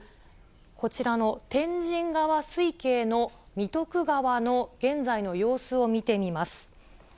こちらの天神川水系の三徳川の現在の様子を見てみます。